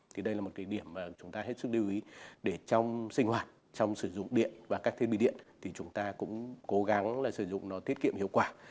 thì đây là một cái điểm mà chúng ta hết sức lưu ý để trong sinh hoạt trong sử dụng điện và các thiết bị điện thì chúng ta cũng cố gắng là sử dụng nó tiết kiệm hiệu quả